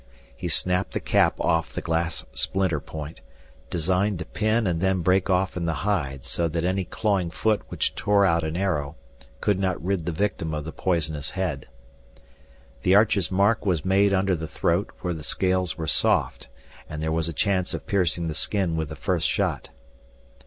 He snapped the cap off the glass splinter point, designed to pin and then break off in the hide so that any clawing foot which tore out an arrow could not rid the victim of the poisonous head. The archer's mark was under the throat where the scales were soft and there was a chance of piercing the skin with the first shot.